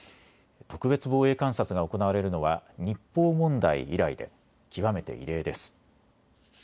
特別防衛監察が行われるのは日報問題以来で極めて異例です。